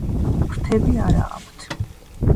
ფრთები არა აქვთ.